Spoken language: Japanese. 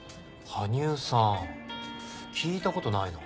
羽生さん聞いたことないな。